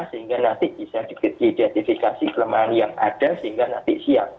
sehingga nanti bisa diidentifikasi kelemahan yang ada sehingga nanti siap